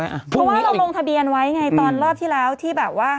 เพราะว่าเราลงทะเบียนไว้ไงตอนรอบที่แล้วที่แบบว่า